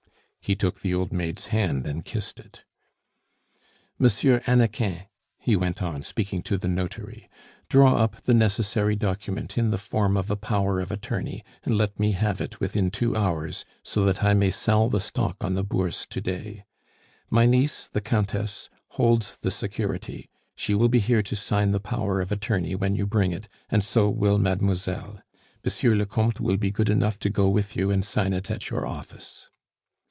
He took the old maid's hand and kissed it. "Monsieur Hannequin," he went on, speaking to the notary, "draw up the necessary document in the form of a power of attorney, and let me have it within two hours, so that I may sell the stock on the Bourse to day. My niece, the Countess, holds the security; she will be here to sign the power of attorney when you bring it, and so will mademoiselle. Monsieur le Comte will be good enough to go with you and sign it at your office."